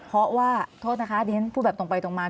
เพราะว่าโทษนะคะดิฉันพูดแบบตรงไปตรงมา